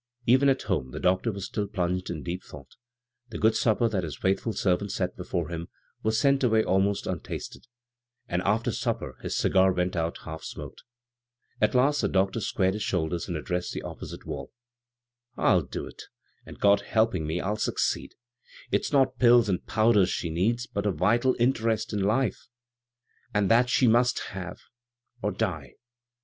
Even at home the doctor was still plunged in deep thought The good supper that his faithful servant set before him was sent away almost untasted ; and after supper his dgar went out hall smoked At last the doctor squared his shoulders and addressed the op posite walL *' I'll do it — and, God helping me, I'll suc ceed I It's not pills and powders she needs, but a vital interest in life — and that she must have, or die."